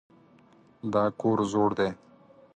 دا کور زوړ دی.